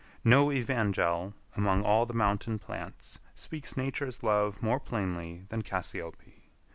No evangel among all the mountain plants speaks Nature's love more plainly than cassiope.